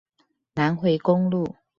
南迴公路